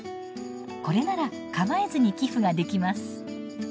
これなら構えずに寄付ができます。